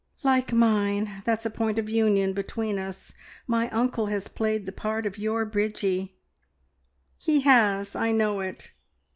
"Like mine. That's a point of union between us. My uncle has played the part of your Bridgie." "He has; I know it.